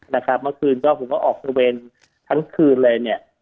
เมื่อคืนผมก็ออกสุเรนทั้งคืนเลย